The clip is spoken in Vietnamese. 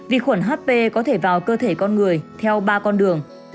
vi khuẩn hp có thể vào cơ thể con người theo ba con đường